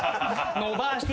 「のばして」